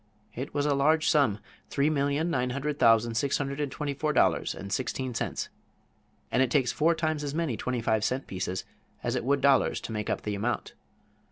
It was a large sum: three million, nine hundred thousand, six hundred and twenty four dollars and sixteen cents. And it takes four times as many twenty five cent pieces as it would dollars to make up the amount.